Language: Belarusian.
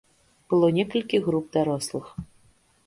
Было некалькі груп дарослых.